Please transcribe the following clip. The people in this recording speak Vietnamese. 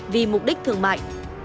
vì mục đích thương mại